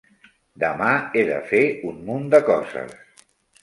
Demà he de fer un munt de coses.